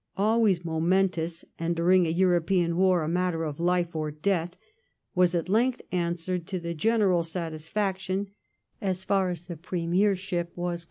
" always momentous, and during a European war a matter of life or death, was at length answered to the general satisfaction as far as the Premiership was concerned.'